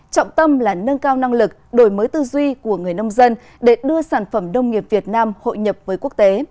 trọng tâm là nâng cao năng lực đổi mới tư duy của người nông dân để đưa sản phẩm nông nghiệp việt nam hội nhập với quốc tế